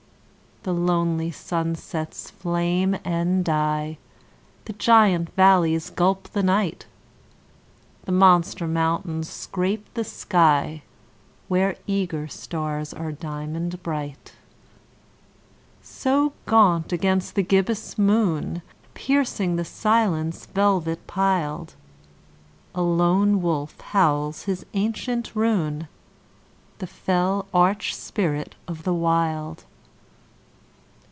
The lonely sunsets flame and die; The giant valleys gulp the night; The monster mountains scrape the sky, Where eager stars are diamond bright. So gaunt against the gibbous moon, Piercing the silence velvet piled, A lone wolf howls his ancient rune— The fell arch spirit of the Wild.